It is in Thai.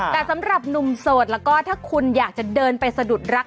แต่สำหรับหนุ่มโสดแล้วก็ถ้าคุณอยากจะเดินไปสะดุดรัก